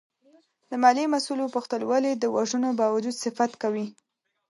د مالیې مسوول وپوښتل ولې د وژنو باوجود صفت کوې؟